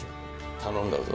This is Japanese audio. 頼んだぞ。